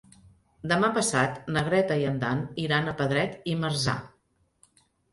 Demà passat na Greta i en Dan iran a Pedret i Marzà.